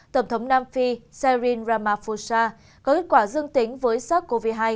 tổng thống nam phi serine ramaphosa có kết quả dương tính với sars cov hai